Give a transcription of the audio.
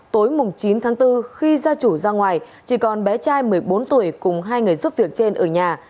tối chín tháng bốn khi gia chủ ra ngoài chỉ còn bé trai một mươi bốn tuổi cùng hai người giúp việc trên ở nhà